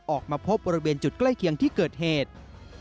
ออกมาพบบริเวณจุดใกล้เคียงที่เกิดเหตุ